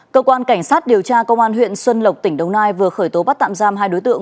cơ quan cảnh sát điều tra công an huyện xuân lộc tỉnh đồng nai vừa khởi tố bắt tạm giam hai đối tượng